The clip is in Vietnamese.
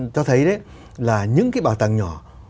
cho thấy đấy là những cái bảo tàng nhỏ